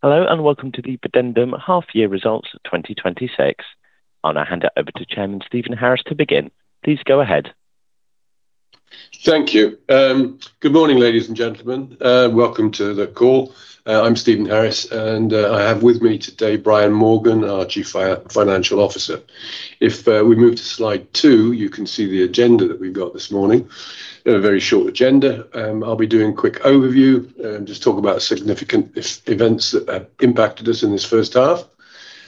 Welcome to the Videndum half-year results 2026. I'll now hand it over to Chairman Stephen Harris to begin. Please go ahead. Thank you. Good morning, ladies and gentlemen. Welcome to the call. I'm Stephen Harris. I have with me today Brian Morgan, our Chief Financial Officer. If we move to slide two, you can see the agenda that we've got this morning, a very short agenda. I'll be doing a quick overview, just talk about significant events that impacted us in this first half.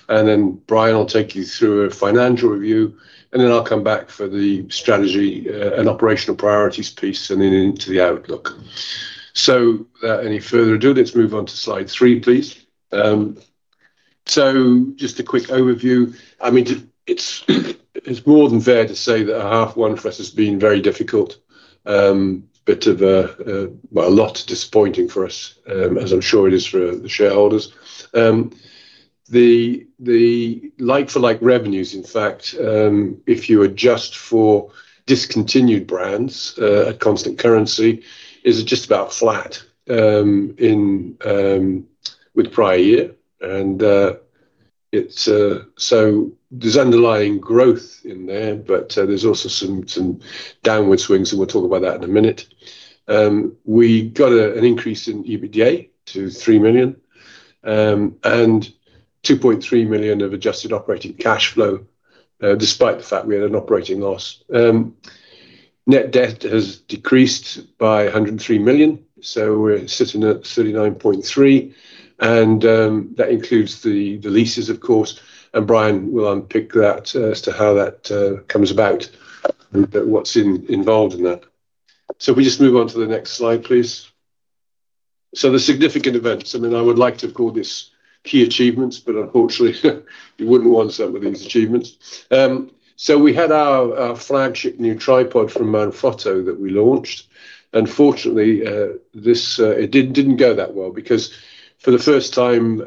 Brian will take you through a financial review. I'll come back for the strategy and operational priorities piece, into the outlook. Without any further ado, let's move on to slide three, please. Just a quick overview. It's more than fair to say that our half one for us has been very difficult. A lot disappointing for us, as I'm sure it is for the shareholders. The like-for-like revenues, in fact, if you adjust for discontinued brands at constant currency, is just about flat with the prior year. There's underlying growth in there's also some downward swings. We'll talk about that in a minute. We got an increase in EBITDA to 3 million, 2.3 million of adjusted operating cash flow, despite the fact we had an operating loss. Net debt has decreased by 103 million. We're sitting at 39.3. That includes the leases, of course. Brian will unpick that as to how that comes about and what's involved in that. We just move on to the next slide, please. The significant events, I would like to have called this key achievements, but unfortunately you wouldn't want some of these achievements. We had our flagship new tripod from Manfrotto that we launched. Unfortunately, it didn't go that well because for the first time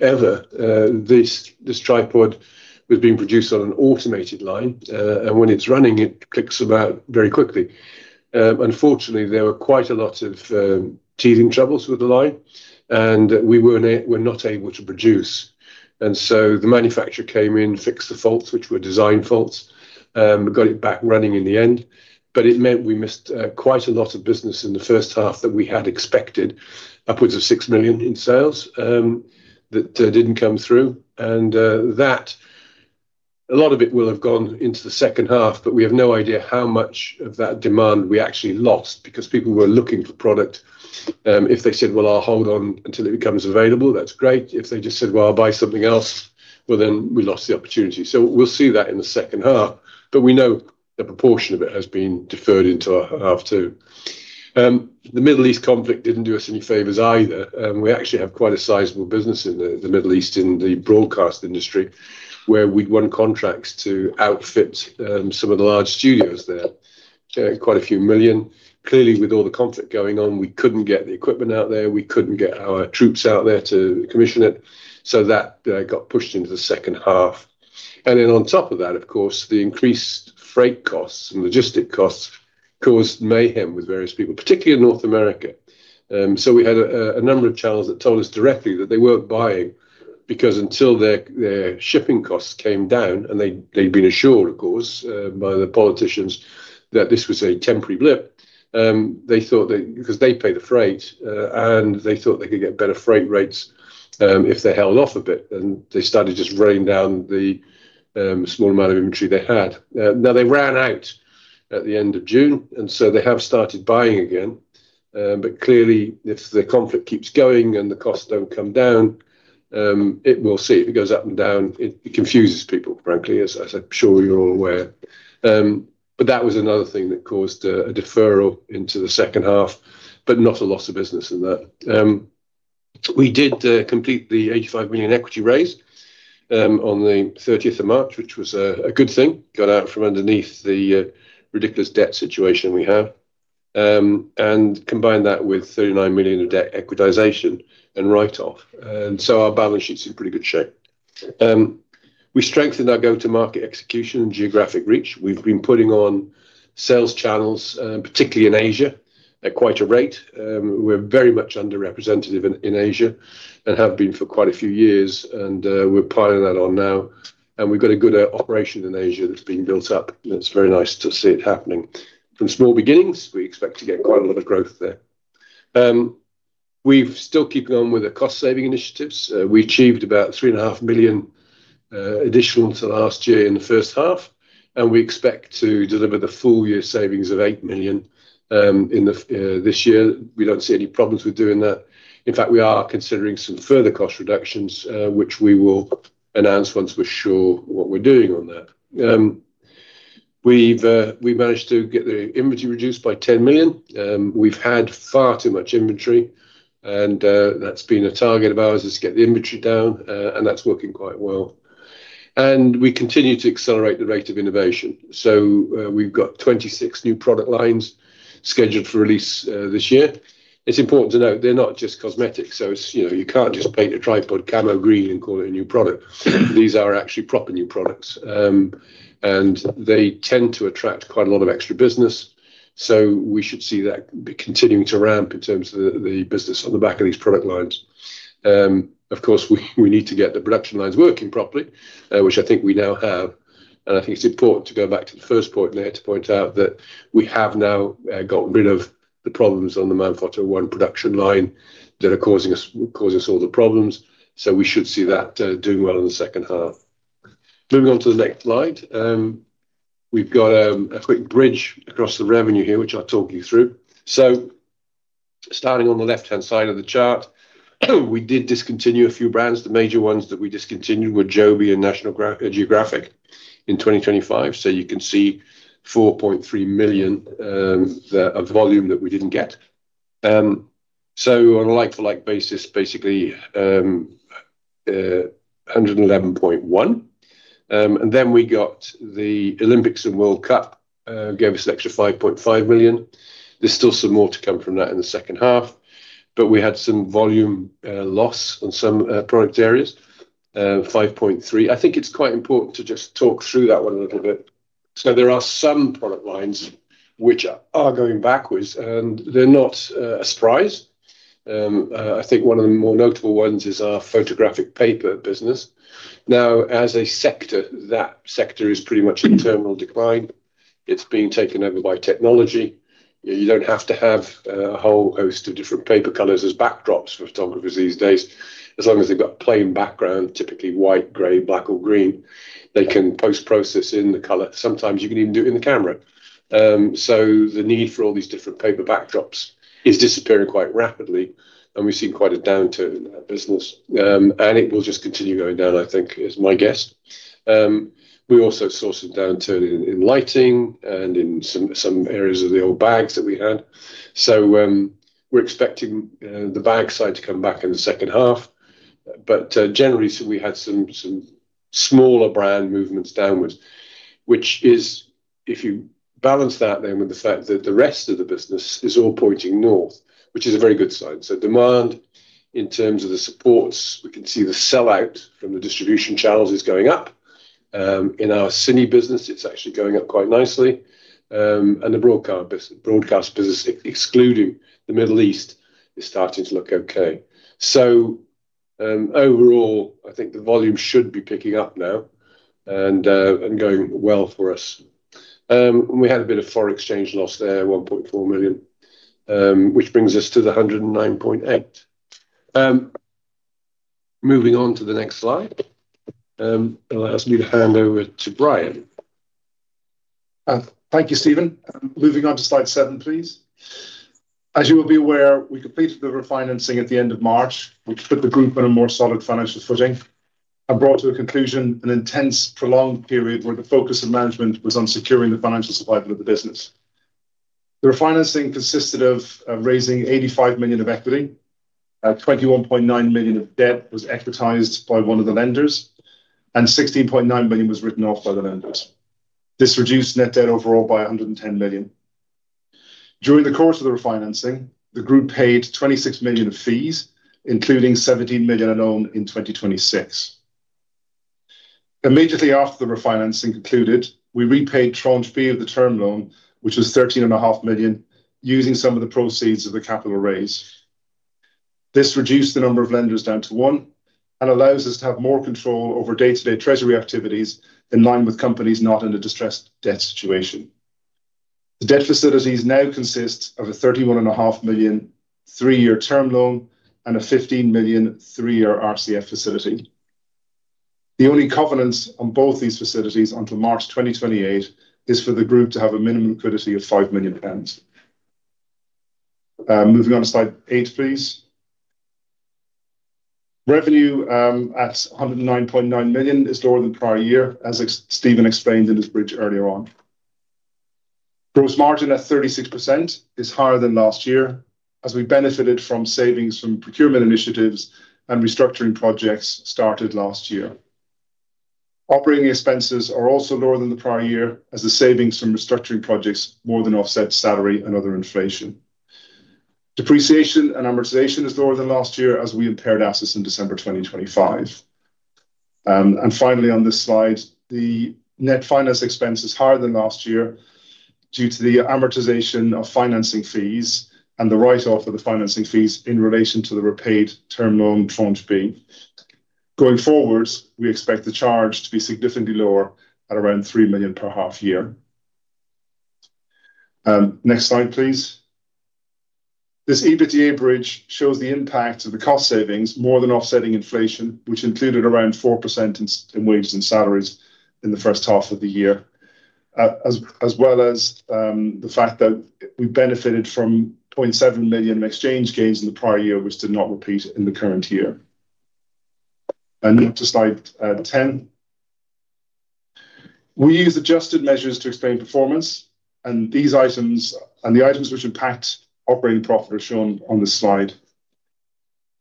ever, this tripod was being produced on an automated line. When it's running, it clicks about very quickly. Unfortunately, there were quite a lot of teething troubles with the line. We were not able to produce. The manufacturer came in, fixed the faults, which were design faults. We got it back running in the end, it meant we missed quite a lot of business in the first half that we had expected, upwards of 6 million in sales that didn't come through. That, a lot of it will have gone into the second half. We have no idea how much of that demand we actually lost because people were looking for product. If they said, "Well, I'll hold on until it becomes available," that's great. If they just said, "Well, I'll buy something else," well, then we lost the opportunity. We'll see that in the second half. We know a proportion of it has been deferred into our half two. The Middle East conflict didn't do us any favors either. We actually have quite a sizable business in the Middle East in the broadcast industry, where we'd won contracts to outfit some of the large studios there. Quite a few million. Clearly, with all the conflict going on, we couldn't get the equipment out there. We couldn't get our troops out there to commission it. That got pushed into the second half. On top of that, of course, the increased freight costs and logistic costs caused mayhem with various people, particularly in North America. We had a number of channels that told us directly that they weren't buying because until their shipping costs came down, and they'd been assured, of course, by the politicians that this was a temporary blip. They pay the freight, and they thought they could get better freight rates if they held off a bit, and they started just running down the small amount of inventory they had. They ran out at the end of June, they have started buying again. Clearly, if the conflict keeps going and the costs don't come down, we'll see. If it goes up and down, it confuses people, frankly, as I'm sure you're all aware. That was another thing that caused a deferral into the second half, but not a loss of business in that. We did complete the 85 million equity raise on March 30th, which was a good thing. Got out from underneath the ridiculous debt situation we have. Combined that with 39 million of debt equitization and write-off. Our balance sheet's in pretty good shape. We strengthened our go-to-market execution and geographic reach. We've been putting on sales channels, particularly in Asia, at quite a rate. We're very much underrepresented in Asia and have been for quite a few years, and we're piling that on now. We've got a good operation in Asia that's been built up, and it's very nice to see it happening. From small beginnings, we expect to get quite a lot of growth there. We've still keeping on with the cost-saving initiatives. We achieved about 3.5 million additional to last year in the first half. We expect to deliver the full-year savings of 8 million this year. We don't see any problems with doing that. In fact, we are considering some further cost reductions, which we will announce once we're sure what we're doing on that. We've managed to get the inventory reduced by 10 million. We've had far too much inventory, and that's been a target of ours, is to get the inventory down, and that's working quite well. We continue to accelerate the rate of innovation. We've got 26 new product lines scheduled for release this year. It's important to note they're not just cosmetic, you can't just paint a tripod camo green and call it a new product. These are actually proper new products, and they tend to attract quite a lot of extra business. We should see that continuing to ramp in terms of the business on the back of these product lines. Of course, we need to get the production lines working properly, which I think we now have. I think it's important to go back to the first point there to point out that we have now gotten rid of the problems on the Manfrotto ONE production line that are causing us all the problems. We should see that doing well in the second half. Moving on to the next slide. We've got a quick bridge across the revenue here, which I'll talk you through. Starting on the left-hand side of the chart, we did discontinue a few brands. The major ones that we discontinued were JOBY and National Geographic in 2025. You can see 4.3 million of volume that we didn't get. On a like-for-like basis, basically, 111.1 million. We got the Olympics and World Cup gave us an extra 5.5 million. There's still some more to come from that in the second half, we had some volume loss on some product areas, 5.3 million. I think it's quite important to just talk through that one a little bit. There are some product lines which are going backwards, and they're not a surprise. I think one of the more notable ones is our photographic paper business. As a sector, that sector is pretty much in terminal decline. It's being taken over by technology. You don't have to have a whole host of different paper colors as backdrops for photographers these days. As long as they've got plain background, typically white, gray, black or green, they can post-process in the color. Sometimes you can even do it in the camera. The need for all these different paper backdrops is disappearing quite rapidly, we've seen quite a downturn in that business. It will just continue going down, I think, is my guess. We also saw some downturn in lighting and in some areas of the old bags that we had. We're expecting the bag side to come back in the second half. Generally, we had some smaller brand movements downwards, which is if you balance that then with the fact that the rest of the business is all pointing north, which is a very good sign. Demand in terms of the supports, we can see the sell-out from the distribution channels is going up. In our cine business, it's actually going up quite nicely. The broadcast business, excluding the Middle East, is starting to look okay. Overall, I think the volume should be picking up now and going well for us. We had a bit of foreign exchange loss there, 1.4 million, which brings us to the 109.8 million. Moving on to the next slide. It allows me to hand over to Brian. Thank you, Stephen. Moving on to slide seven, please. As you will be aware, we completed the refinancing at the end of March, which put the group on a more solid financial footing and brought to a conclusion an intense, prolonged period where the focus of management was on securing the financial survival of the business. The refinancing consisted of raising 85 million of equity. 21.9 million of debt was equitized by one of the lenders, and 16.9 million was written off by the lenders. This reduced net debt overall by 110 million. During the course of the refinancing, the group paid 26 million of fees, including 17 million alone in 2026. Immediately after the refinancing concluded, we repaid Tranche B of the term loan, which was 13.5 million, using some of the proceeds of the capital raise. This reduced the number of lenders down to one and allows us to have more control over day-to-day treasury activities in line with companies not in a distressed debt situation. The debt facilities now consist of a 31.5 million three-year term loan and a 15 million three-year RCF facility. The only covenants on both these facilities until March 2028 is for the group to have a minimum liquidity of 5 million pounds. Moving on to slide eight, please. Revenue at 109.9 million is lower than prior year, as Stephen explained in his bridge earlier on. Gross margin at 36% is higher than last year as we benefited from savings from procurement initiatives and restructuring projects started last year. Operating expenses are also lower than the prior year as the savings from restructuring projects more than offset salary and other inflation. Depreciation and amortization is lower than last year as we impaired assets in December 2025. Finally, on this slide, the net finance expense is higher than last year due to the amortization of financing fees and the write-off of the financing fees in relation to the repaid term loan Tranche B. Going forwards, we expect the charge to be significantly lower at around 3 million per half year. Next slide, please. This EBITDA bridge shows the impact of the cost savings more than offsetting inflation, which included around 4% in wages and salaries in the first half of the year, as well as the fact that we benefited from 0.7 million of exchange gains in the prior year, which did not repeat in the current year. On to slide 10. We use adjusted measures to explain performance. The items which impact operating profit are shown on this slide.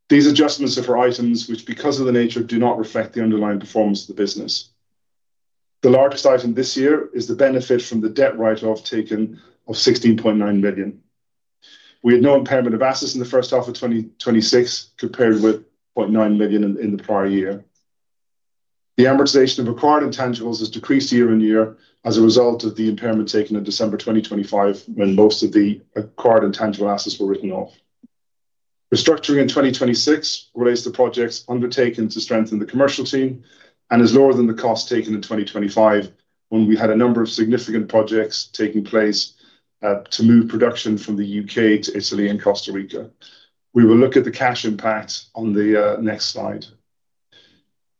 These adjustments are for items which, because of the nature, do not reflect the underlying performance of the business. The largest item this year is the benefit from the debt write-off taken of 16.9 million. We had no impairment of assets in the first half of 2026, compared with 0.9 million in the prior year. The amortization of acquired intangibles has decreased year-on-year as a result of the impairment taken in December 2025, when most of the acquired intangible assets were written off. Restructuring in 2026 relates to projects undertaken to strengthen the commercial team and is lower than the cost taken in 2025, when we had a number of significant projects taking place to move production from the U.K. to Italy and Costa Rica. We will look at the cash impact on the next slide.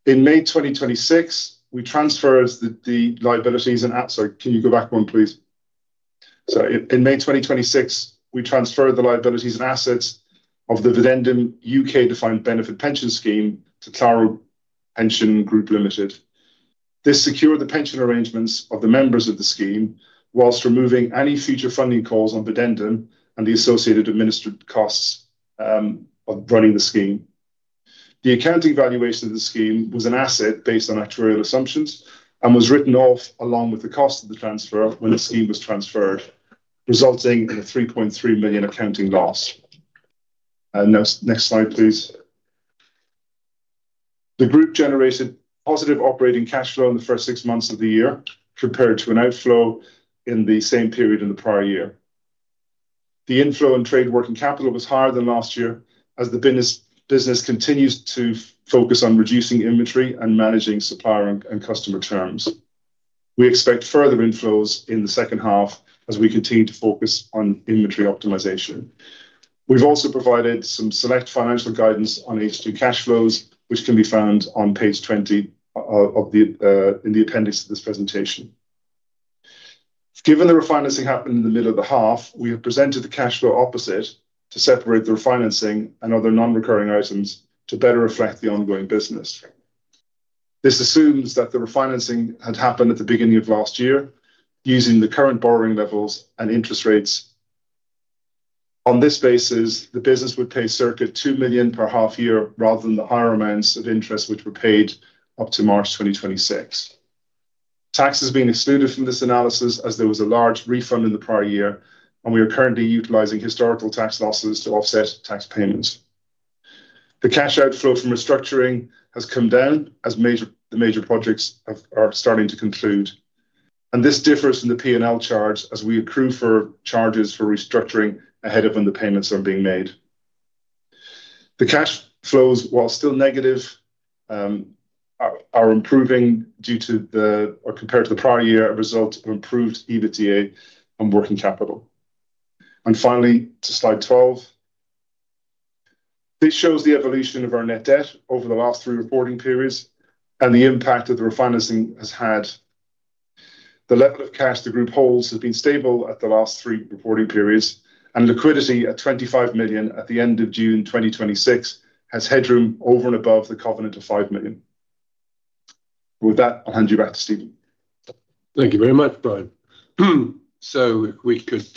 In May 2026, we transferred the liabilities and-- Sorry, can you go back one, please? In May 2026, we transferred the liabilities and assets of the Videndum U.K. defined benefit pension scheme to Clara Pension Group Limited. This secured the pension arrangements of the members of the scheme whilst removing any future funding calls on Videndum and the associated administered costs of running the scheme. The accounting valuation of the scheme was an asset based on actuarial assumptions and was written off along with the cost of the transfer when the scheme was transferred, resulting in a 3.3 million accounting loss. Next slide, please. The group generated positive operating cash flow in the first six months of the year, compared to an outflow in the same period in the prior year. The inflow and trade working capital was higher than last year, as the business continues to focus on reducing inventory and managing supplier and customer terms. We expect further inflows in the second half as we continue to focus on inventory optimization. We've also provided some select financial guidance on H2 cash flows, which can be found on page 20 in the appendix to this presentation. Given the refinancing happened in the middle of the half, we have presented the cash flow opposite to separate the refinancing and other non-recurring items to better reflect the ongoing business. This assumes that the refinancing had happened at the beginning of last year using the current borrowing levels and interest rates. On this basis, the business would pay circa 2 million per half year rather than the higher amounts of interest which were paid up to March 2026. Tax has been excluded from this analysis as there was a large refund in the prior year. We are currently utilizing historical tax losses to offset tax payments. The cash outflow from restructuring has come down as the major projects are starting to conclude. This differs from the P&L charge as we accrue for charges for restructuring ahead of when the payments are being made. The cash flows, while still negative, are improving compared to the prior year, a result of improved EBITDA and working capital. Finally, to slide 12. This shows the evolution of our net debt over the last three reporting periods and the impact that the refinancing has had. The level of cash the group holds has been stable at the last three reporting periods. Liquidity at 25 million at the end of June 2026 has headroom over and above the covenant of 5 million. With that, I'll hand you back to Stephen. Thank you very much, Brian. If we could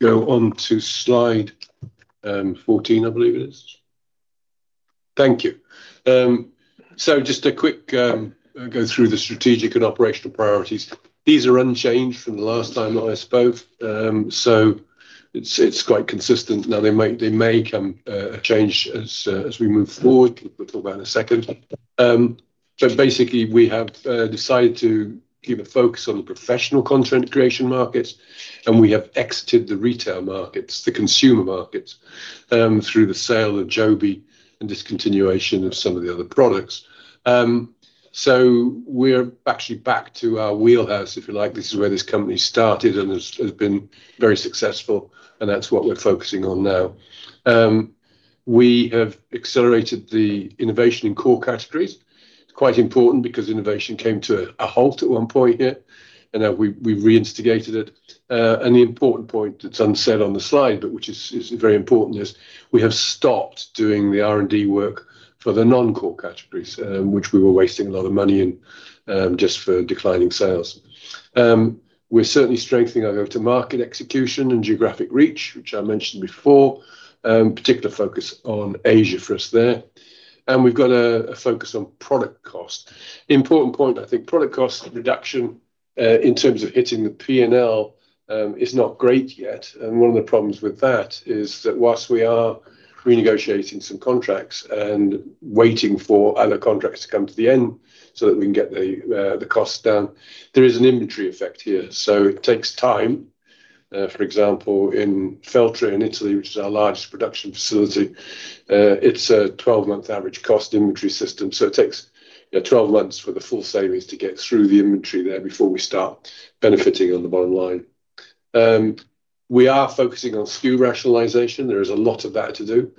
go on to slide 14, I believe it is. Thank you. Just a quick go through the strategic and operational priorities. These are unchanged from the last time that I spoke, it's quite consistent. They may come change as we move forward. We'll talk about in a second. Basically we have decided to keep a focus on the professional content creation markets, and we have exited the retail markets, the consumer markets, through the sale of JOBY and discontinuation of some of the other products. We're actually back to our wheelhouse, if you like. This is where this company started and has been very successful, and that's what we're focusing on now. We have accelerated the innovation in core categories. It's quite important because innovation came to a halt at one point here, now we've reinstigated it. The important point that's unsaid on the slide, but which is very important, is we have stopped doing the R&D work for the non-core categories, which we were wasting a lot of money in, just for declining sales. We're certainly strengthening our go-to-market execution and geographic reach, which I mentioned before. Particular focus on Asia for us there. We've got a focus on product cost. Important point, I think product cost reduction, in terms of hitting the P&L, is not great yet. One of the problems with that is that whilst we are renegotiating some contracts and waiting for other contracts to come to the end so that we can get the costs down, there is an inventory effect here. It takes time. For example, in Feltre, in Italy, which is our largest production facility, it's a 12-month average cost inventory system, it takes 12 months for the full savings to get through the inventory there before we start benefiting on the bottom line. We are focusing on SKU rationalization. There is a lot of that to do.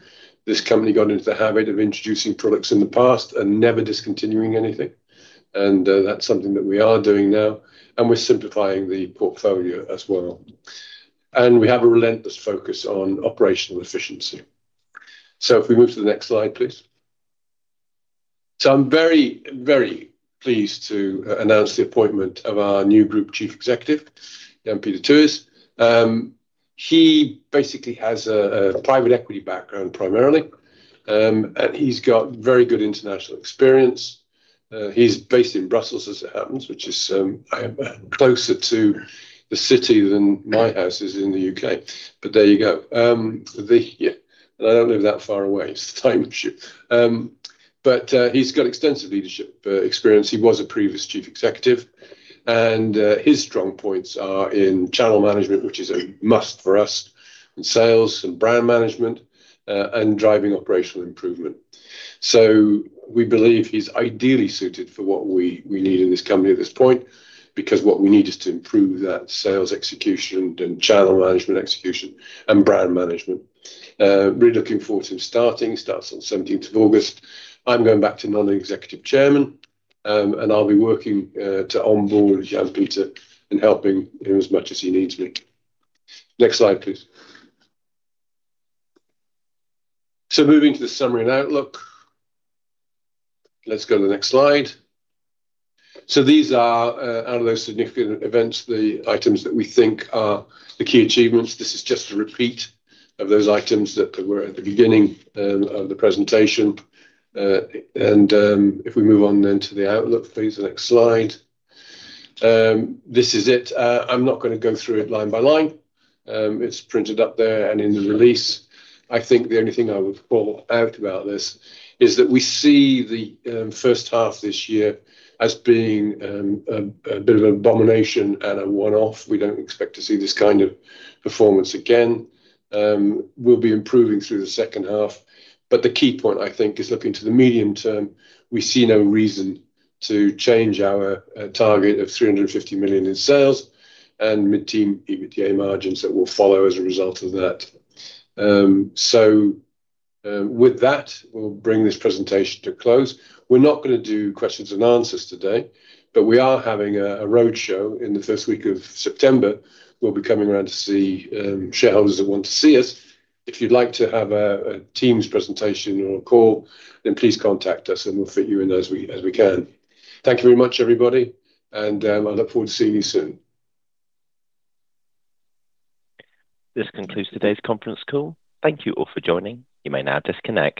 This company got into the habit of introducing products in the past and never discontinuing anything, and that's something that we are doing now, and we're simplifying the portfolio as well. We have a relentless focus on operational efficiency. If we move to the next slide, please I'm very, very pleased to announce the appointment of our new Group Chief Executive, Jan Peter Tewes. He basically has a private equity background primarily, he's got very good international experience. He's based in Brussels as it happens, which is closer to the city than my house is in the U.K., there you go. I don't live that far away. It's a time issue. He's got extensive leadership experience. He was a previous Chief Executive, and his strong points are in channel management, which is a must for us, in sales and brand management, and driving operational improvement. We believe he's ideally suited for what we need in this company at this point, because what we need is to improve that sales execution and channel management execution and brand management. Really looking forward to him starting. Starts on August 17th. I'm going back to Non-Executive Chairman, and I'll be working to onboard Jan Peter and helping him as much as he needs me. Next slide, please. Moving to the summary and outlook. Let's go to the next slide. These are, out of those significant events, the items that we think are the key achievements. This is just a repeat of those items that were at the beginning of the presentation. If we move on to the outlook please, the next slide. This is it. I'm not going to go through it line by line. It's printed up there and in the release. I think the only thing I would call out about this is that we see the first half this year as being a bit of an abomination and a one-off. We don't expect to see this kind of performance again. We'll be improving through the second half. The key point, I think, is looking to the medium term. We see no reason to change our target of 350 million in sales and mid-teen EBITDA margins that will follow as a result of that. With that, we'll bring this presentation to a close. We're not going to do questions and answers today, but we are having a roadshow in the first week of September. We'll be coming around to see shareholders that want to see us. If you'd like to have a Teams presentation or a call, please contact us and we'll fit you in as we can. Thank you very much, everybody, and I look forward to seeing you soon. This concludes today's conference call. Thank you all for joining. You may now disconnect.